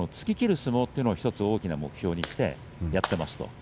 相撲というのを大きな目標にしてやっていますと。